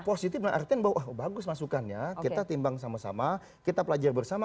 positif artinya bagus masukannya kita timbang sama sama kita belajar bersama